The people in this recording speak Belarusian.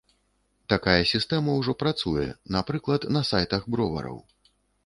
Такая сістэма ўжо працуе, напрыклад, на сайтах бровараў.